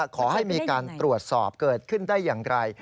ขอให้มีการตรวจสอบเกิดขึ้นได้อย่างไร